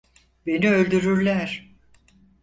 Beni öldürürler.